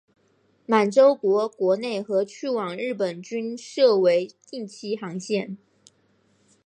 满洲国国内和去往日本均设为定期航线。